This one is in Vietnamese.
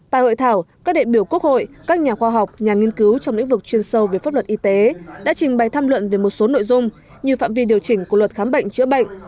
tại hội thảo các đại biểu quốc hội các nhà khoa học nhà nghiên cứu trong lĩnh vực chuyên sâu về pháp luật y tế đã trình bày tham luận về một số nội dung như phạm vi điều chỉnh của luật khám bệnh chữa bệnh